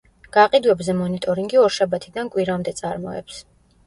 გაყიდვებზე მონიტორინგი ორშაბათიდან კვირამდე წარმოებს.